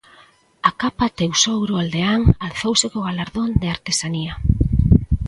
A capa 'Tesouro aldeán' alzouse co galardón de Artesanía.